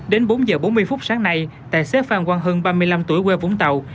đến bốn h bốn mươi phút sáng nay tài xế phan quang hưng ba mươi năm tuổi quê vũng tàu